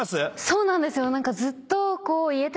そうなんですよ。